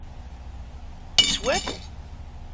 Yeswa-t?